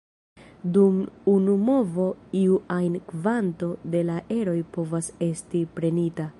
Dum unu movo iu ajn kvanto de la eroj povas esti prenita.